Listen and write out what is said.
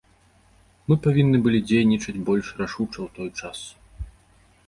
Мы павінны былі дзейнічаць больш рашуча ў той час.